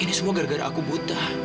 ini semua gara gara aku buta